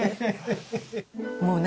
もう。